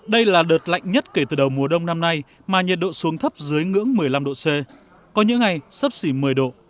đây là đợt lạnh nhất kể từ đầu mùa đông năm nay mà nhiệt độ xuống thấp dưới ngưỡng một mươi năm độ c có những ngày sắp xỉ một mươi độ